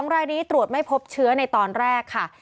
รายนี้ตรวจไม่พบเชื้อในตอนแรกค่ะ